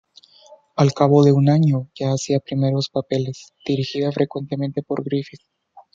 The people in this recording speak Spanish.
Al cabo de un año ya hacía primeros papeles, dirigida frecuentemente por Griffith.